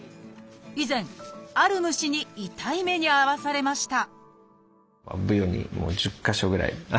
以前ある虫に痛い目に遭わされました